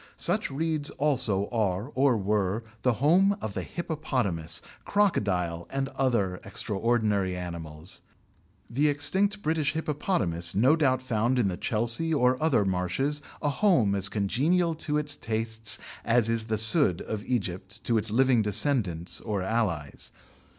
Such reeds also are or were the home of the hippopotamus, crocodile, and other extraordinary animals. The extinct British hippopotamus no doubt found in the Chelsea or other marshes a home as congenial to its tastes as is the sudd of Egypt to its living descendants or allies.